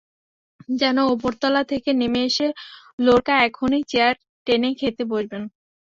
যেন ওপরতলা থেকে নেমে এসে লোরকা এখনই চেয়ার টেনে খেতে বসবেন।